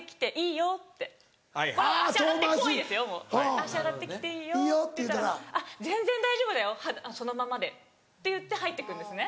「足洗ってきていいよ」って言ったら「あっ全然大丈夫だよそのままで」って言って入ってくんですね。